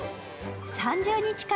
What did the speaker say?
３０日間